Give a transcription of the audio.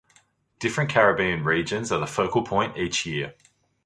Different Caribbean regions are the focal point each year.